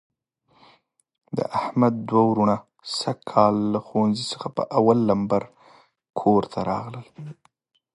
د احمد دوه وروڼه سږ کال له ښوونځي څخه په اول لمبر کورته راغلل.